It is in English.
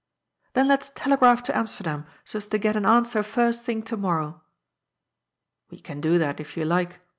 *^ Then let's telegraph to Amsterdam so as to get an an swer first thing to morrow." " We can do that, if you like.